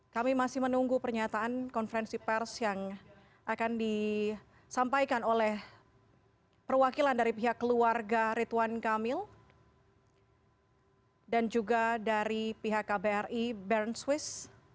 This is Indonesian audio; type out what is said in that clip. kami masih menunggu konferensi pers yang akan dilakukan oleh pihak keluarga rituan kamil dan juga dari pihak kbri bern swiss